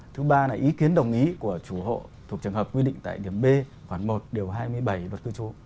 thứ ba là ý kiến đồng ý của chủ hộ thuộc trường hợp quy định tại điểm b khoảng một điều hai mươi bảy luật cư trú